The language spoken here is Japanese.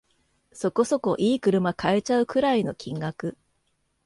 そこそこ良い車買えちゃうくらいの金額